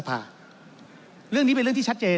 ท่านประธานก็เป็นสอสอมาหลายสมัย